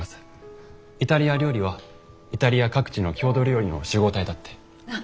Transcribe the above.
イタリア料理はイタリア各地の郷土料理の集合体だって。